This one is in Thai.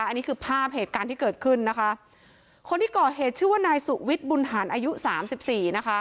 อันนี้คือภาพเหตุการณ์ที่เกิดขึ้นนะคะคนที่ก่อเหตุชื่อว่านายสุวิทย์บุญหารอายุสามสิบสี่นะคะ